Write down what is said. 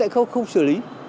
không xử lý